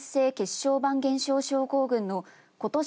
小板減少症候群のことし